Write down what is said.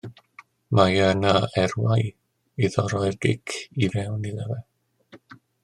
Mae yna erwau iddo roi'r gic i fewn iddo fe.